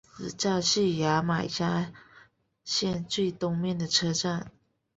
此站是牙买加线最东面的车站。